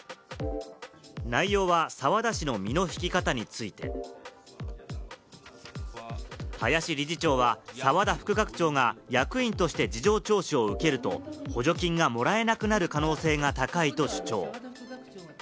内容は澤田氏の身の引き方について、林理事長は澤田副学長が役員として事情聴取を受けると、補助金がもらえなくなる可能性が高いと主張。